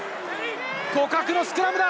互角のスクラムだ！